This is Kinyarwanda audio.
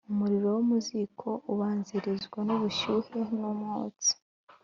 Umuriro wo mu ziko ubanzirizwa n’ubushyuhe n’umwotsi,